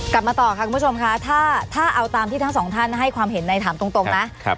กลับมาต่อค่ะคุณผู้ชมค่ะถ้าเอาตามที่ทั้งสองท่านให้ความเห็นในถามตรงนะ